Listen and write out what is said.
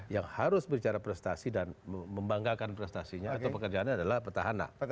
yang harus bicara prestasi dan membanggakan prestasinya atau pekerjaannya adalah petahana